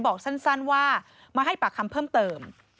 บอกสั้นว่ามาให้ปากคำเพิ่มเติม